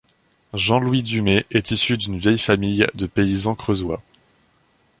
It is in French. Jean Louis Dumet est issu d'une vieille famille de paysans creusois.